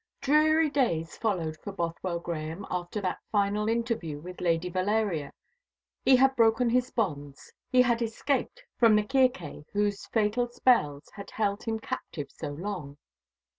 Dreary days followed for Bothwell Grahame after that final interview with Lady Valeria. He had broken his bonds, he had escaped from the Circe whose fatal spells had held him captive so long.